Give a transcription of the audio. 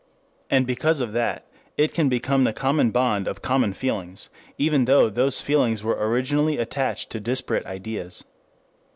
And because of that it can become the common bond of common feelings, even though those feelings were originally attached to disparate ideas.